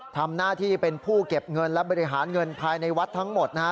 ทำหน้าที่เป็นผู้เก็บเงินและบริหารเงินภายในวัดทั้งหมดนะฮะ